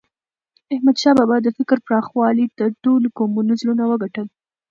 احمدشاه بابا د فکر پراخوالي د ټولو قومونو زړونه وګټل.